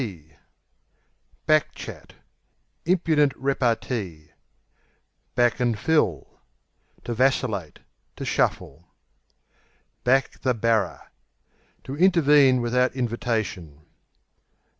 Back Chat Impudent repartee. Back and Fill To vacillate; to shuffle. Back the Barrer To intervene without invitation.